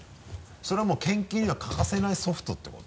それはもう研究には欠かせないソフトってこと？